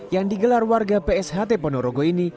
yang digelar warga psht ponorogo ini